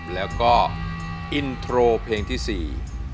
แล้วก็อินโทรเพลงที่สี่